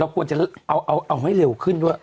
ควรจะเอาให้เร็วขึ้นด้วย